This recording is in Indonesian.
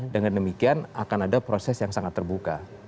dengan demikian akan ada proses yang sangat terbuka